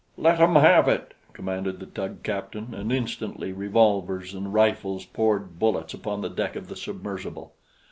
"Let 'em have it!" commanded the tug captain, and instantly revolvers and rifles poured bullets upon the deck of the submersible.